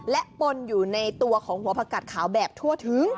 และปนอยู่ในตัวของหัวผักกัดขาวแบบทั่วถึง